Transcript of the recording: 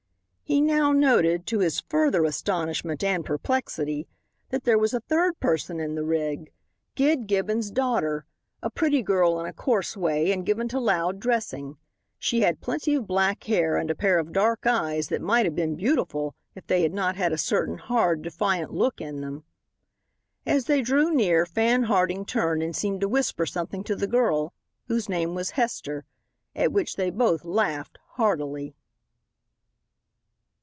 He now noted, to his further astonishment and perplexity, that there was a third person in the rig Gid Gibbon's daughter, a pretty girl in a coarse way, and given to loud dressing. She had plenty of black hair and a pair of dark eyes that might have been beautiful if they had not had a certain hard, defiant look in them. As they drew near Fan Harding turned and seemed to whisper something to the girl, whose name was Hester, at which they both laughed heartily.